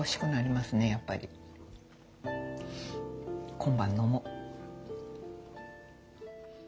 今晩飲もう。